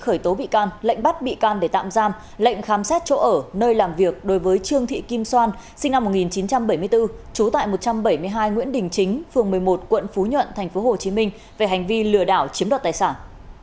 khởi tố bị can lệnh bắt bị can để tạm giam lệnh khám xét chỗ ở nơi làm việc đối với trương thị kim son sinh năm một nghìn chín trăm bảy mươi bốn trú tại một trăm bảy mươi hai nguyễn đình chính phường một mươi một quận phú nhuận tp hcm về hành vi lừa đảo chiếm đoạt tài sản